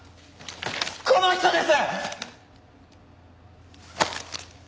この人です！